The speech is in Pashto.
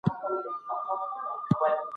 که تولید زیات سي اقتصادي پرمختیا به راشي.